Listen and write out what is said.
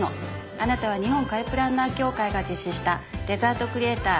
「あなたは日本カフェプランナー協会が実施したデザートクリエイター